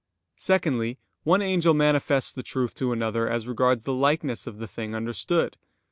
Secondly, one angel manifests the truth to another as regards the likeness of the thing understood.